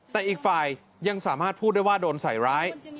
แต่อีกฝ่ายยังสามารถพูดได้ว่าโดนใส่ร้าย